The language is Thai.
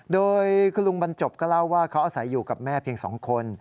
โดยคุณลุงบรรจบก็เล่าว่าเขาอาศัยอยู่กับแม่เพียง๒คน